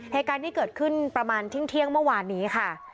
เหตุการณ์ที่เกิดขึ้นประมาณเที่ยงเมื่อวานนี้ค่ะ